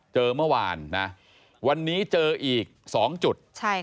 เจอเมื่อวานนะวันนี้เจออีก๒จุด